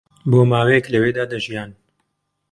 بۆ ماوەیەک لەوێدا دەژیان